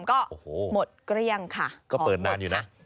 ก็หมดเกลี้ยงค่ะก็เปิดนานอยู่นะ